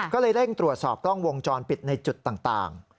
ก็เลยเร่งตรวจสอบกล้องวงจรปิดในจุดต่าง